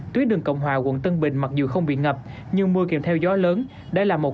tuyến đường cộng hòa quận tân bình mặc dù không bị ngập nhưng mưa kèm theo gió lớn đã là một